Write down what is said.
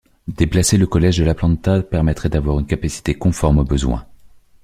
Déplacer le collège de la Planta permettrait d’avoir une capacité conforme aux besoins.